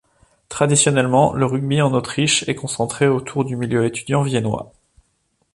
Traditionnellement le rugby en Autriche est concentré autour du milieu étudiant viennois.